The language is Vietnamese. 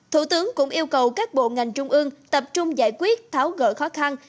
thủ tướng cũng yêu cầu các bộ ngành trung ương tập trung giải quyết tháo gỡ khó khăn